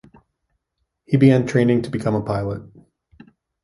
He began training to become a pilot.